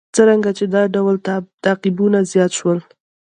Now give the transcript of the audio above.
څرنګه چې دا ډول تعقیبونه زیات شول.